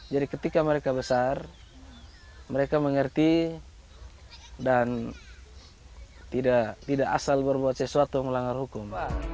jadi ketika mereka besar mereka mengerti dan tidak asal berbuat sesuatu melanggar hukum